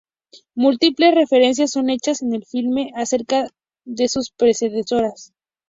Múltiples referencias son hechas en el filme acerca de sus predecesoras.